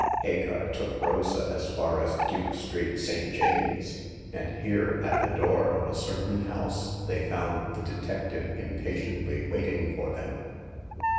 Hagar took Rosa as far as Duke Street. St. James's, and here, at the door of a certain house, they found the detective impatiently waiting for them.